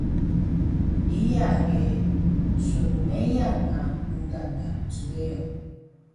Kiya ge snlmeyan na rudan ta cbeyo